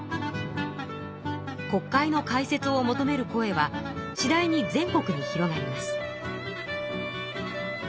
国会の開設を求める声はしだいに全国に広がります。